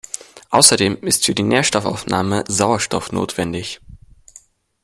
Außerdem ist für die Nährstoffaufnahme Sauerstoff notwendig.